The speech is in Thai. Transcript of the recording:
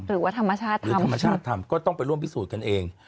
หรือว่าธรรมชาติทำหรือธรรมชาติทำก็ต้องไปร่วมพิสูจน์กันเอง